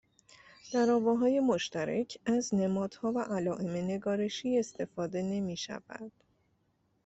در آواهای مشترک از نمادها و علائم نگارشی استفاده نمیشود